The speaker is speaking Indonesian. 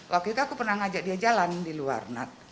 waktu itu aku pernah ngajak dia jalan di luar nak